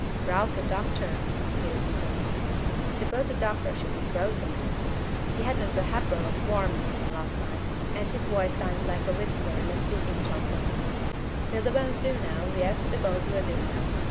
"Rouse the doctor?" he repeated. "Suppose the doctor should be frozen? He hadn't a ha'porth of warmth in him last night, and his voice sounded like a whisper in a speaking trumpet. Will the bones do now? Yes, the bones will do now.